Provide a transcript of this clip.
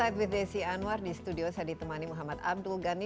insight with desi anwar di studio saya ditemani muhammad abdul ghani